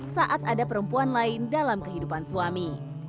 saat ada perempuan lain dalam kehidupan suami